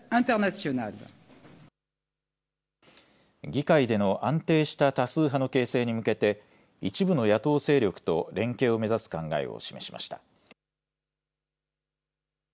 議会での安定した多数派の形成に向けて、一部の野党勢力と連携を目指す考えを示しました。